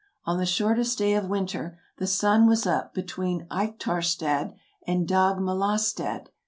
On the shortest day of winter, the sun was up between " eyktarstad " and " dagmalastad.